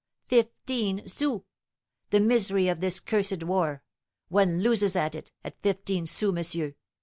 Fifteen sous! The misery of this cursed war! One loses at it, at fifteen sous, monsieur.